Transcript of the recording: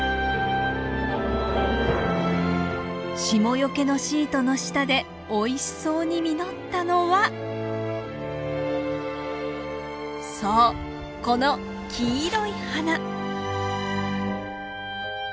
霜よけのシートの下でおいしそうに実ったのはそうこの黄色い花！